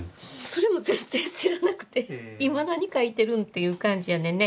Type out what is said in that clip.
それも全然知らなくて「今何描いてるん？」っていう感じやねんね。